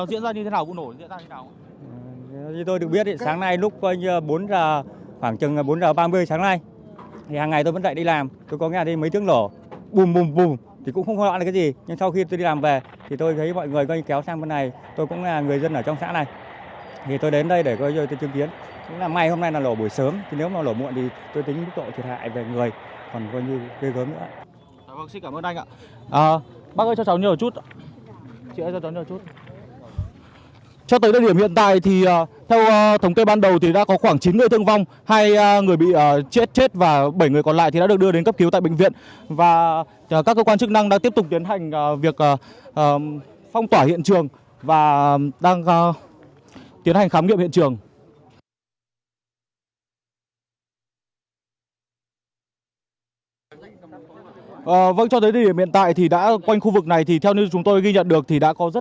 xin mời quý vị các bạn đi theo tôi